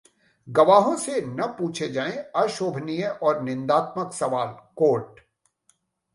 गवाहों से न पूछे जाएं अशोभनीय और निंदात्मक सवाल: कोर्ट